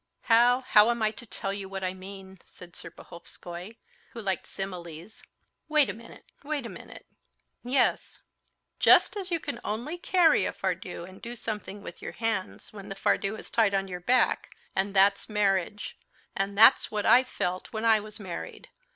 How, how am I to tell you what I mean?" said Serpuhovskoy, who liked similes. "Wait a minute, wait a minute! Yes, just as you can only carry a fardeau and do something with your hands, when the fardeau is tied on your back, and that's marriage. And that's what I felt when I was married.